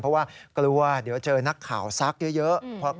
เพราะว่ากลัวเดี๋ยวเจอนักข่าวซักเยอะ